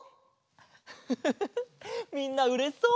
フフフフフみんなうれしそう！